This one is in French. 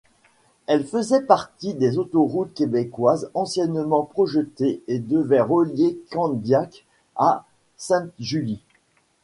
Elle faisait partie des autoroutes québécoises anciennement projetées et devait relier Candiac à Sainte-Julie.